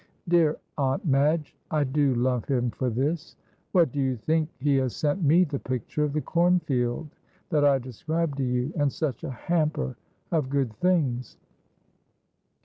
"Dear Aunt Madge, I do love him for this. What do you think, he has sent me the picture of the cornfield that I described to you, and such a hamper of good things!"